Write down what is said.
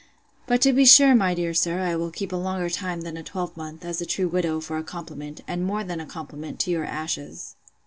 —But, to be sure, my dear sir, I will keep a longer time than a twelvemonth, as a true widow, for a compliment, and more than a compliment, to your ashes!